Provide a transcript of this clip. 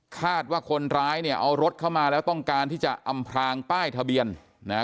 คาดว่าคนร้ายเนี่ยเอารถเข้ามาแล้วต้องการที่จะอำพลางป้ายทะเบียนนะฮะ